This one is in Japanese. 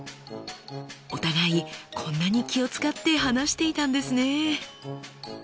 お互いこんなに気を遣って話していたんですね。